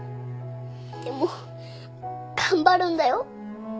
でも頑張るんだよ。